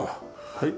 「はい。